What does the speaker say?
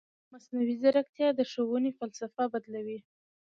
مصنوعي ځیرکتیا د ښوونې فلسفه بدلوي.